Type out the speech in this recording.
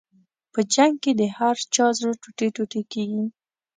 په جنګ کې د هر چا زړه ټوټې ټوټې کېږي.